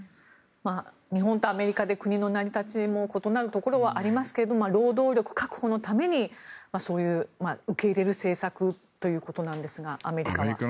日本とアメリカで国の成り立ちも異なるところがありますが労働力確保のために受け入れる政策ということなんですがアメリカは。